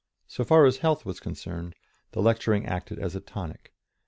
So far as health was concerned, the lecturing acted as a tonic.